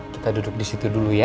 kita duduk di situ dulu ya